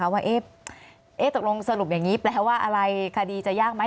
ว่าตกลงสรุปอย่างนี้แปลว่าอะไรคดีจะยากไหม